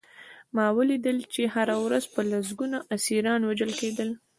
ما ولیدل چې هره ورځ به لسګونه اسیران وژل کېدل